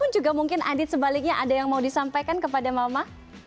mungkin juga mungkin adit sebaliknya ada yang mau disampaikan kepada mama